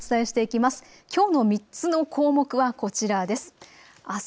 きょうの３つの項目はこちらです。